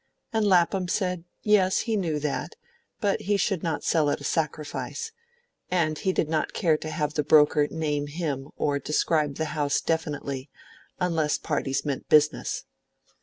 and Lapham said yes, he knew that, but he should not sell at a sacrifice, and he did not care to have the broker name him or describe the house definitely unless parties meant business.